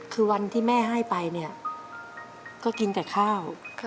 คือวันที่แม่ให้ไปเนี่ยก็กินแต่ข้าว